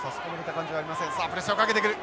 さあプレッシャーをかけてくる。